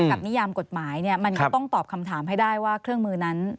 นิยามกฎหมายมันก็ต้องตอบคำถามให้ได้ว่าเครื่องมือนั้น